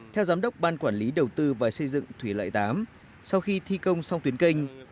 theo giám đốc ban quản lý đầu tư và xây dựng thủy lợi tám sau khi thi công xong tuyến canh